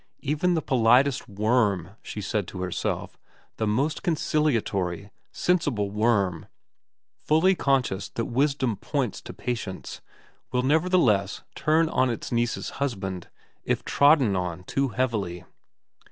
Even the politest worm, she said to herself, the most conciliatory, sensible worm, fully conscious that wisdom points to patience, will nevertheless turn on its niece's husband if trodden on too heavily.